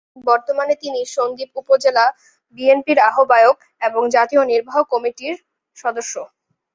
বর্তমানে তিনি সন্দ্বীপ উপজেলা বিএনপির আহবায়ক এবং জাতীয় নির্বাহী কমিটির সদস্য।